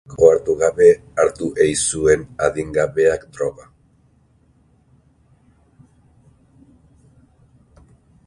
Gurasoak ohartu gabe hartu ei zuen adingabeak droga.